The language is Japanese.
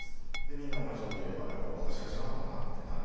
みんな同じこと言えば「やっぱり私が違うのかな？」ってなるんですよ。